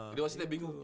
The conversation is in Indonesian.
jadi wasitnya bingung